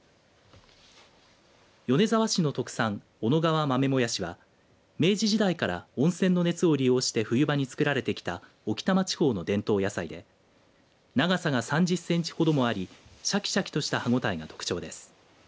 米沢市の特産小野川豆もやしは明治時代から温泉の熱を利用して冬場に作られてきた置賜地方の伝統野菜で長さが３０センチほどもありしゃきしゃきとした歯応えが特徴です。